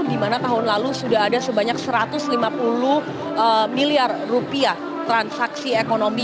di mana tahun lalu sudah ada sebanyak satu ratus lima puluh miliar rupiah transaksi ekonomi